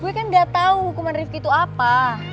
gue kan gak tau hukuman rifqi itu apa